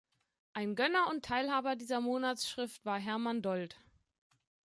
Ein Gönner und Teilhaber dieser Monatsschrift war Hermann Dold.